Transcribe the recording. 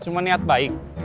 cuma niat baik